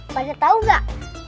banyak tahu nggak